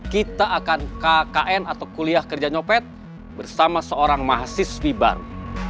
kita akan kkn atau kuliah kerja nyopet bersama seorang mahasiswi baru